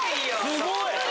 すごい！